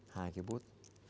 hai cái bút